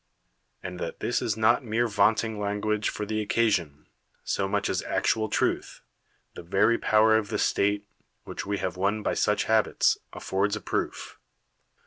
And that this is not mere vaunting language for the occasion, so much as actual truth, the very power of the state, which we have won by such habits, affords a proof.